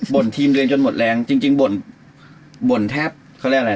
บ่นทีมเรียนจนหมดแรงจริงบ่นบ่นแทบเขาแก้อะไร